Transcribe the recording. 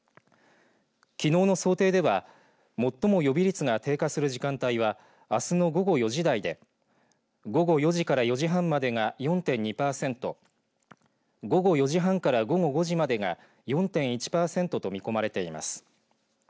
きのうの想定では最も予備率が低下する時間帯はあすの午後４時台で午後４時から４時半までが４．２パーセント午後４時半から午後５時までが４．１パーセントと見込まれています。